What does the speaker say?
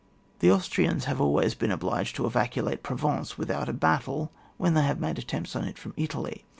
The Austrians have always been obliged to evacuate Provence without a battle when they have made attempts on it from Italy.